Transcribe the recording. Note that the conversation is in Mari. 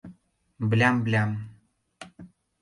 Блям-блям!..